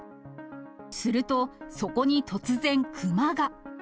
すると、そこに突然、熊が。